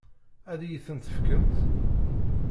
Ad iyi-tent-tefkemt?